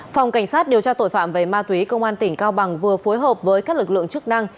phòng cảnh sát điều tra tội phạm về ma túy công an tỉnh cao bằng vừa phối hợp với các lực lượng chức năng